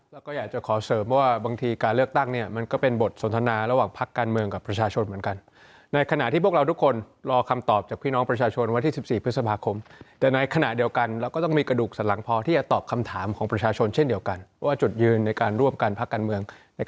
แล้วก็อยากจะขอเสริมว่าบางทีการเลือกตั้งเนี่ยมันก็เป็นบทสนทนาระหว่างพักการเมืองกับประชาชนเหมือนกันในขณะที่พวกเราทุกคนรอคำตอบจากพี่น้องประชาชนวันที่๑๔พฤษภาคมแต่ในขณะเดียวกันเราก็ต้องมีกระดูกสันหลังพอที่จะตอบคำถามของประชาชนเช่นเดียวกันว่าจุดยืนในการร่วมกันพักการเมือง